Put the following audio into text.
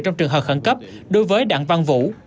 trong trường hợp khẩn cấp đối với đặng văn vũ